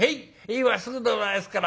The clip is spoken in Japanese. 今すぐでございますから。